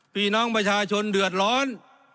พี่น้องประชาชนเดือดร้อน